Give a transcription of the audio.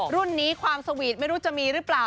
รุ่นนี้ความสวีทไม่รู้จะมีหรือเปล่า